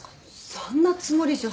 そんなつもりじゃ。